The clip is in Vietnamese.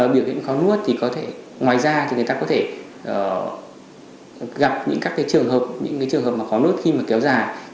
biểu hiện khó nuốt thì có thể ngoài ra thì người ta có thể gặp những trường hợp khó nuốt khi kéo dài